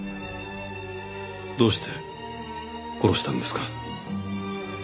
どうして殺したんですか？